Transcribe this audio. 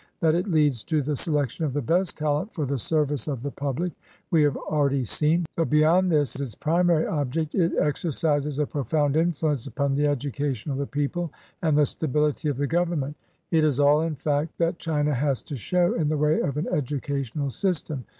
That it leads to the selection of the best talent for the service of the public we have already seen ; but beyond this — its primary 22S CIVIL SERVICE EXAMINATIONS IN CHINA object — it exercises a profound influence upon the edu cation of the people and the stability of the Govern ment. It is all, in fact, that China has to show in the way of an educational system.